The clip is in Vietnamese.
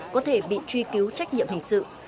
có thể bị truy cứu trách nhiệm hình sự